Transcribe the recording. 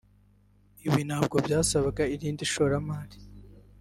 ibi ntabwo byasabaga irindi shoramari